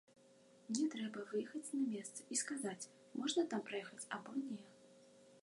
Мне трэба выехаць на месца і сказаць можна там праехаць або не.